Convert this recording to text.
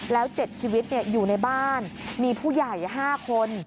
แล้ว๗ชีวิตอยู่ในบ้านมีผู้ใหญ่๕คน